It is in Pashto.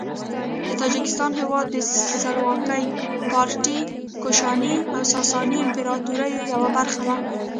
د تاجکستان هیواد د سلوکي، پارتي، کوشاني او ساساني امپراطوریو یوه برخه وه.